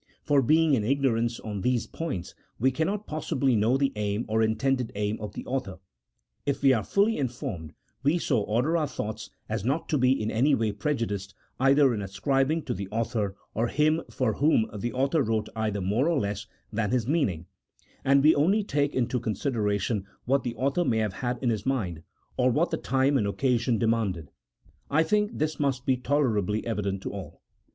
For being in ignorance on these points we cannot possibly know the aim or intended aim of the author • if we are fully in formed, we so order our thoughts as not to be in any way prejudiced either in ascribing to the author or him for whom the author wrote either more or less than his mean ing, and we only take into consideration what the author may have had in his mind, or what the time and occasion demanded. I think this must be tolerably evident to all.